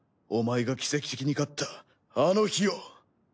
お前が奇跡的に勝ったあの日を。